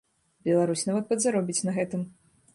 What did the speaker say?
Беларусь нават падзаробіць на гэтым.